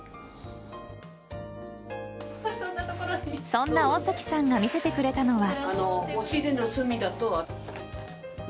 そんな大崎さんが見せてくれたのは。